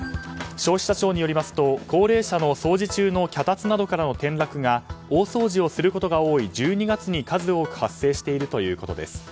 消費者庁によりますと高齢者の掃除中の脚立などからの転落が大掃除をすることが多い１２月に数多く発生しているということです。